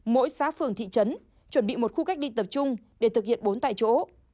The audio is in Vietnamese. mỗi xã phường thị trấn chuẩn bị một khu cách ly tập trung để thực hiện bốn tại chỗ